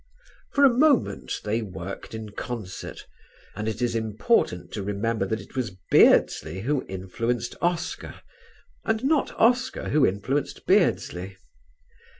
For a moment, they worked in concert, and it is important to remember that it was Beardsley who influenced Oscar, and not Oscar who influenced Beardsley.